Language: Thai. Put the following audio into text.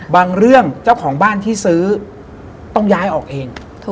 บางเรื่องเจ้าของบ้านที่ซื้อต้องย้ายออกเอง